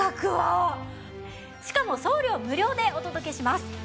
しかも送料無料でお届けします。